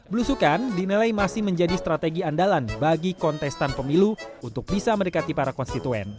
belusukan dinilai masih menjadi strategi andalan bagi kontestan pemilu untuk bisa mendekati para konstituen